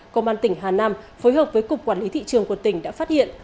công an tỉnh hà nam phối hợp với cục quản lý thị trường của tỉnh đã phát hiện